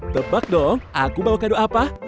tebak dong aku bawa kado apa